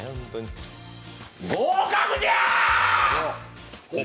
合格じゃー！